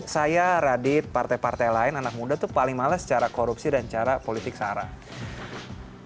saya radit partai partai lain anak muda itu paling males secara korupsi dan cara politik sarah